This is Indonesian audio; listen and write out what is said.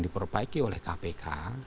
diperbaiki oleh kpk